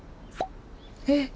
えっ！